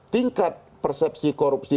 tingkat persepsi korupsi